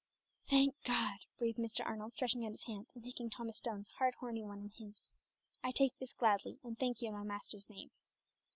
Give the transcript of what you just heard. "Thank God," breathed Mr. Arnold, stretching out his hand and taking Thomas Stone's hard, horny one in his. "I take this gladly, and thank you in my Master's name."